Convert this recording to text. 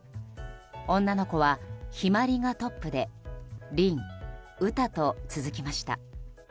女の子は陽葵がトップで凛、詩と続きました。